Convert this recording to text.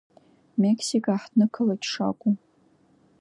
Мексика аҳҭнықалақь шакәу.